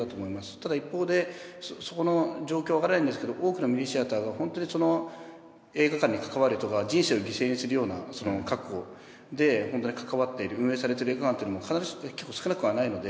ただ一方でそこの状況はわからないんですけど多くのミニシアターが本当にその映画館に関わる人が人生を犠牲にするような覚悟で関わっている運営されている映画館っていうのも結構少なくはないので。